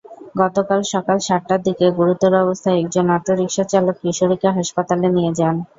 গতকাল সকাল সাতটার দিকে গুরুতর অবস্থায় একজন অটোরিকশাচালক কিশোরীকে হাসপাতালে নিয়ে যান।